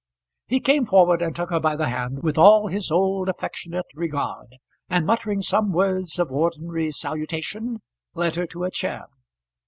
He came forward and took her by the hand with all his old affectionate regard, and, muttering some words of ordinary salutation, led her to a chair.